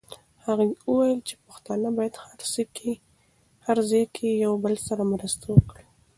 هغې وویل چې پښتانه باید هر ځای کې یو بل سره مرسته وکړي.